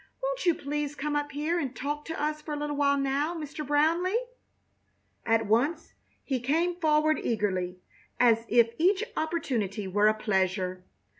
Won't you please come up here and talk to us for a little while now, Mr. Brownleigh?" At once he came forward eagerly, as if each opportunity were a pleasure.